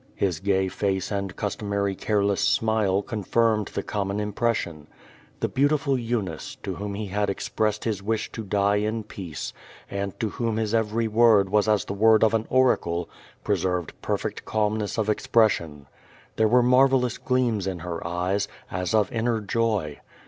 His gay face and customary careless smile confirmed the common impression. The beautiful Eunice, to whom he had ex pressed his wish to die in peace and to whom his every word 5o6 Q^o yJiDis. was as the word of an oracle, preserved perfect calmness of expression. There were marvelous gleams in her eyes, as of inner joy.